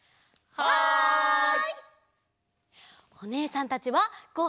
はい。